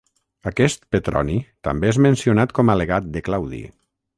Aquest Petroni també és mencionat com a legat de Claudi.